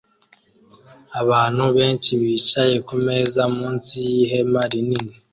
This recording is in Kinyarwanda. Abantu benshi bicaye kumeza munsi yihema rinini